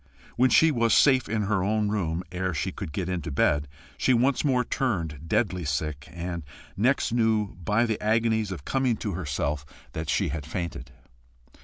When she was safe in her own room, ere she could get into bed, she once more turned deadly sick, and next knew by the agonies of coming to herself that she had fainted.